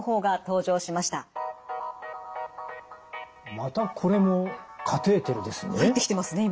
またこれもカテーテルですね？